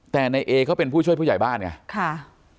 แต่ในเอเขาเป็นผู้ช่วยผู้ใหญ่บ้านไงค่ะ